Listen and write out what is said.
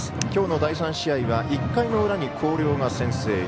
きょうの第３試合は１回の裏に広陵が先制。